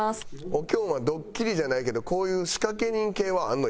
おきょんはドッキリじゃないけどこういう仕掛け人系はあるの？